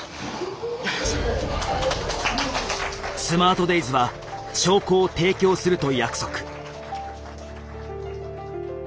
スマートデイズは証拠を提供すると約束。